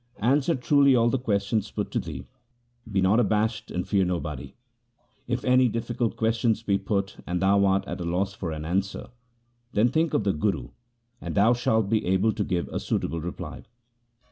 Answer truly all the questions put to thee. Be not abashed and fear nobody. If any difficult questions be put and thou art at a loss for an answer, then think of the Guru, and thou shalt be able to give a suitable reply.